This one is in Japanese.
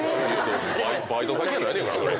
バイト先やないねんから。